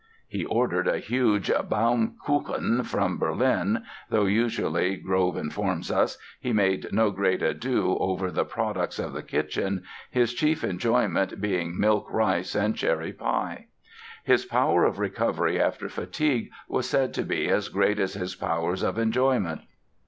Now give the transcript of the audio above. He ordered a huge "Baum Kuchen" from Berlin (though usually, Grove informs us, he made no great ado over "the products of the kitchen", his chief enjoyments being milk rice and cherry pie). His power of recovery after fatigue was said to be "as great as his powers of enjoyment".